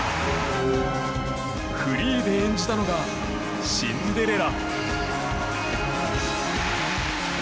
フリーで演じたのが「シンデレラ」。